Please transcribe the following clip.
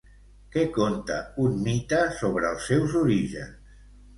Què conta un mite sobre els seus orígens?